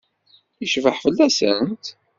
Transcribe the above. Yecbeḥ fell-asent?